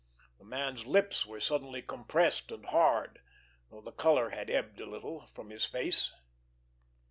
The man's lips were suddenly compressed and hard, though the color had ebbed a little from his face.